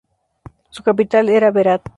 Su capital era Berat.